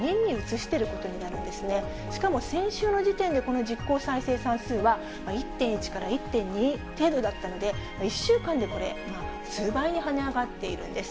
しかも先週の時点でこの実効再生産数は、１．１から１．２程度だったので、１週間でこれ、数倍に跳ね上がっているんです。